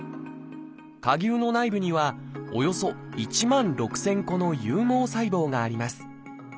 蝸牛の内部にはおよそ１万６，０００個の有毛細胞があります。